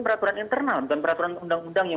peraturan internal bukan peraturan undang undang yang